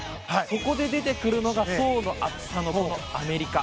そこで出てくるのが層の厚さのアメリカ。